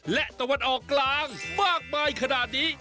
และตะวันออกกลางมากมายขนาดนี้